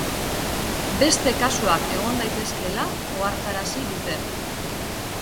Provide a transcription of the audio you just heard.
Beste kasuak egon daitezkeela ohartarazi dute.